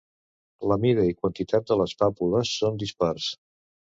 La mida i quantitat de les pàpules són dispars.